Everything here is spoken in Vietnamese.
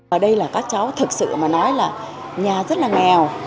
ở đây là các cháu thực sự mà nói là nhà rất là nghèo